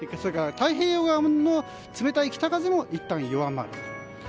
太平洋側も冷たい北風もいったん弱まると。